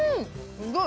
すごい。